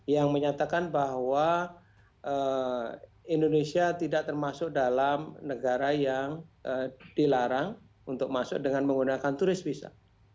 yang menyatakan bahwa indonesia tidak termasuk dalam negara yang dilarang untuk masuk dengan menggunakan turis visa